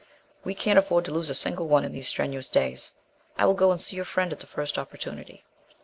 "We can't afford to lose a single one in these strenuous days. I will go and see your friend at the first opportunity."